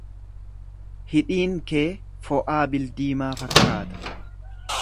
Hidhiin kee fo'aa bildiimaa fakkaata.